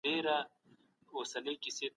د باران د ورېدو له امله ځمکه لنده سوي ده.